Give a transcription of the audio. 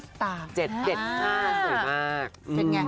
๗๗๕สวยมาก